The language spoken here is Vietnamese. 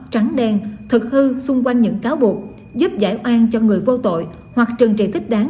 trắng đen thực hư xung quanh những cáo buộc giúp giải oan cho người vô tội hoặc trừng trị thích đáng